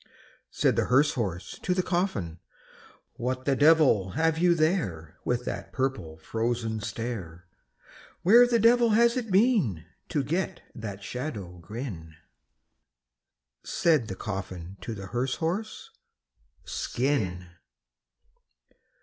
Said the hearse horse to the coffin, "What the devil have you there, With that purple frozen stare? Where the devil has it been To get that shadow grin?" Said the coffin to the hearse horse, "Skin!"